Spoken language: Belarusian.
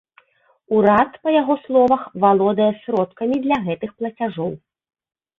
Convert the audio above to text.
Урад, па яго словах, валодае сродкамі для гэтых плацяжоў.